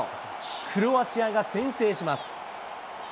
クロアチアが先制します。